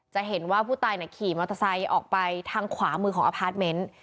จะเห็นว่าผู้ตายขี่มอเตอร์ไซค์ออกไปทางขวามือของอพาร์ทเมนต์